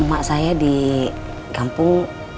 emak saya di kampung